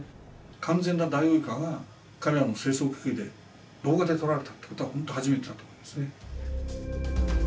完全なダイオウイカが彼らの生息域で動画で撮られたってことは本当初めてだと思いますね。